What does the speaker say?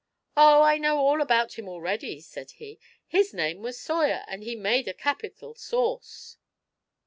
'Oh, I know all about him already/ said he; *liis name was Soyer, and he made a capital sauce